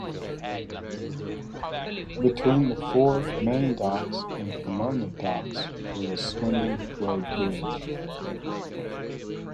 Between the four main docks and Pomona docks was a swinging road bridge.